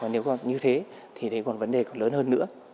nếu như thế thì đấy còn vấn đề còn lớn hơn nữa